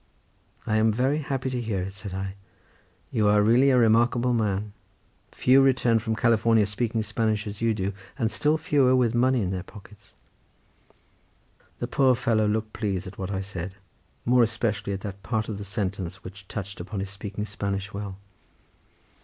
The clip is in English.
"I am very happy to hear it," said I, "you are really a remarkable man—few return from California speaking Spanish as you do, and still fewer with money in their pockets." The poor fellow looked pleased at what I said, more especially at that part of the sentence which touched upon his speaking Spanish well.